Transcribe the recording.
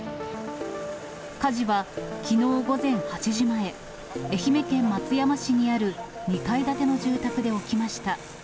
火事は、きのう午前８時前、愛媛県松山市にある２階建ての住宅で起きました。